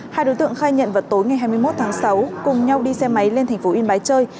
hai đối tượng khai nhận vào tối ngày hai mươi một tháng sáu cùng nhau đi xe máy lên thành phố yên bái chơi